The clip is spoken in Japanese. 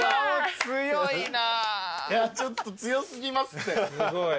ちょっと強過ぎますって。